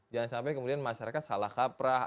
jangan sampai kemudian masyarakat salah kaprah